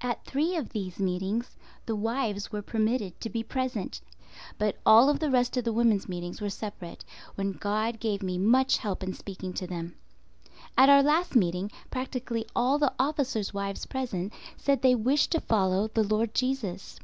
At three of these meetings the wives were permitted to be present; but all the rest of the women's meetings were separate, when God gave me much help in speaking to them. At our last meeting, practically all the officers' wives present said they wished to follow the Lord Jesus.